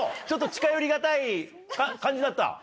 ちょっと近寄り難い感じだった？